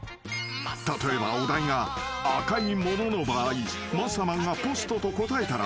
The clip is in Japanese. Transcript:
［例えばお題が赤いものの場合マッサマンがポストと答えたら］